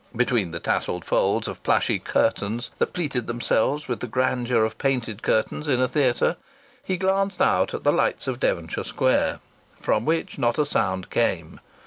Between the tasselled folds of plushy curtains that pleated themselves with the grandeur of painted curtains in a theatre, he glanced out at the lights of Devonshire Square, from which not a sound came.